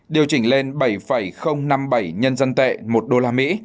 điều chỉnh lên bảy năm mươi bảy nhân dân tệ một đô la mỹ